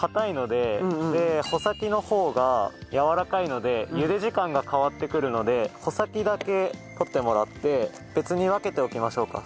で穂先の方がやわらかいので茹で時間が変わってくるので穂先だけ取ってもらって別に分けておきましょうか。